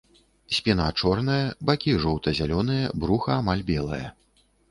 Спіна чорная, бакі жоўта-зялёныя, бруха амаль белае.